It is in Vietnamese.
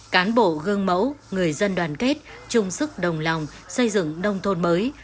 cán bộ gương mẫu người dân đoàn kết chung sức đồng lòng xây dựng nông thôn mới